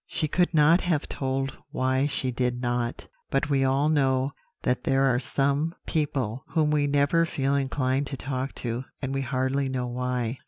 She could not have told why she did not; but we all know that there are some people whom we never feel inclined to talk to, and we hardly know why.